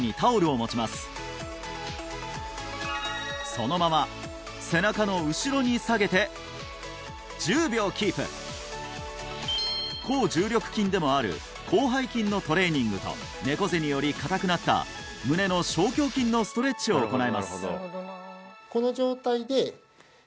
そのまま抗重力筋でもある広背筋のトレーニングと猫背により硬くなった胸の小胸筋のストレッチを行います